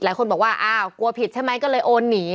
หลายคนบอกว่าอ้าวกลัวผิดใช่ไหมก็เลยโอนหนี